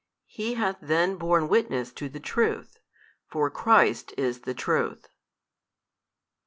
He hath then borne witness to the Truth, for Christ is the Truth.